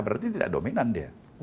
berarti tidak dominan dia